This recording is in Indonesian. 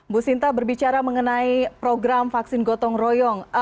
bu sinta berbicara mengenai program vaksin gotong royong